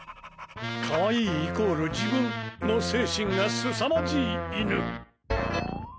可愛いイコール自分の精神がすさまじい犬。